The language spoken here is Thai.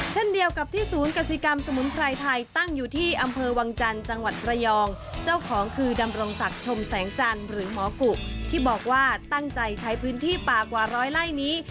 เช่นเดียวกับที่ศูนย์กษิกรรมสมุนไพรไทย